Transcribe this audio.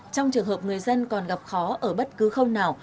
trong trường hợp người dân còn gặp khó ở bất cứ không nào